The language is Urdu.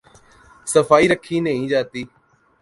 صفائی رکھی نہیں جاتی۔